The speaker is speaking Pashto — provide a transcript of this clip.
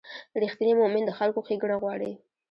رښتینی مؤمن د خلکو ښېګڼه غواړي.